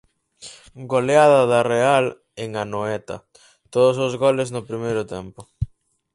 Goleada da Real en Anoeta, todos os goles no primeiro tempo.